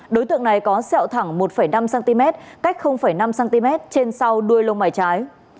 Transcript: đối tượng này có xẹo thẳng một năm cm cách năm cm trên sau đuôi lông mải trái